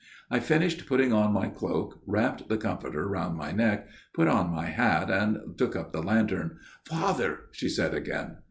" I finished putting on my cloak, wrapped the comforter round my neck, put on my hat and took up the lantern. "' Father,' she said again.